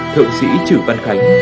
thượng sĩ trừ văn khánh